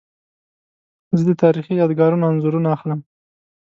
زه د تاریخي یادګارونو انځورونه اخلم.